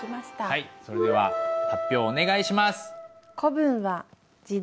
はいそれでは発表お願いします。